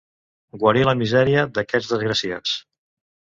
Guarir la misèria d'aquests desgraciats.